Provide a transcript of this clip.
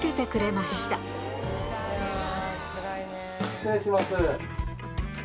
失礼します。